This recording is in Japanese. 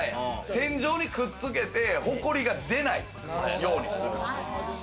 天井にくっつけて、埃が出ないようにする。